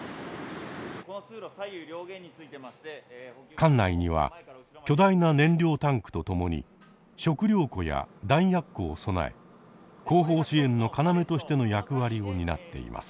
艦内には巨大な燃料タンクと共に食料庫や弾薬庫を備え後方支援の要としての役割を担っています。